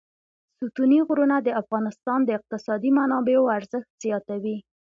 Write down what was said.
ستوني غرونه د افغانستان د اقتصادي منابعو ارزښت زیاتوي.